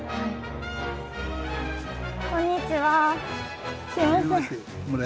こんにちは。